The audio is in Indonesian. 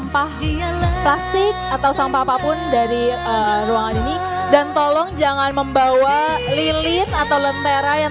pahit plastik atau sampah apapun dari ruangan ini dan tolong jangan membawa lilin atau lentera yang